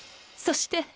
そして